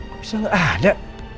kok bisa gak ada